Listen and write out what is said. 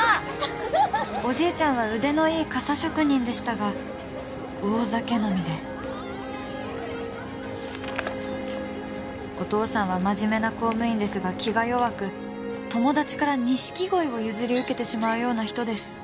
おじいちゃんは腕のいい傘職人でしたが大酒飲みでお父さんは真面目な公務員ですが気が弱く友達から錦鯉を譲り受けてしまうような人です